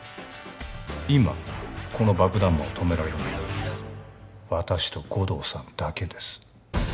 今この爆弾魔を止められるのは私と護道さんだけです